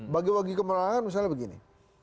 bagi bagi kemenangan misalnya begini